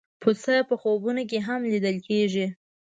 پسه په خوبونو کې هم لیدل کېږي.